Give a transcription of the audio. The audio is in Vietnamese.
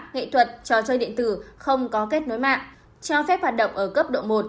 nghệ thuật trò chơi điện tử không có kết nối mạng cho phép hoạt động ở cấp độ một